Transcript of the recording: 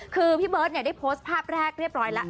คือพี่เบิร์ตได้โพสต์ภาพแรกเรียบร้อยแล้ว